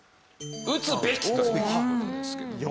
「打つべき」という事ですけども。